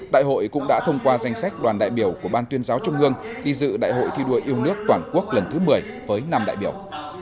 đại hội cũng đã thông qua danh sách đoàn đại biểu của ban tuyên giáo trung ương đi dự đại hội thi đua yêu nước toàn quốc lần thứ một mươi với năm đại biểu